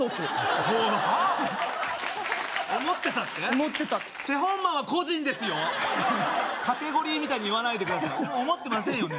思ってたチェ・ホンマンは個人ですよカテゴリーみたいに言わないでください思ってませんよね？